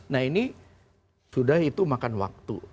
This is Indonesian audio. nah ini sudah itu makan waktu